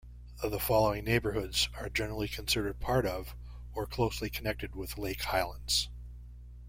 The following neighborhoods are generally considered part of or closely connected with Lake Highlands.